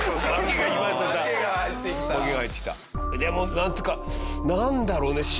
でもなんていうかなんだろうね。